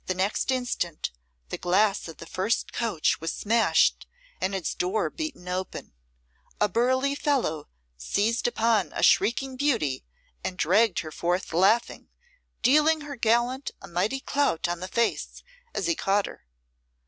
The next instant the glass of the first coach was smashed and its door beaten open. A burly fellow seized upon a shrieking beauty and dragged her forth laughing, dealing her gallant a mighty clout on the face as he caught her.